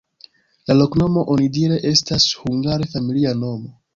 La loknomo onidire estas hungara familia nomo.